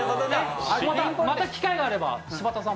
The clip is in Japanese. また機会があれば柴田さん